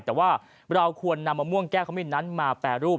แต่ว่าเราควรนำมะม่วงแก้ขมิ้นนั้นมาแปรรูป